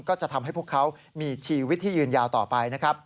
ก็จะทำให้พวกเขามีชีวิตที่ยืนยาวต่อไปนะครับ